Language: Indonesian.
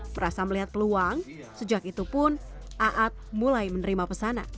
merasa melihat peluang sejak itu pun aat mulai menerima pesanan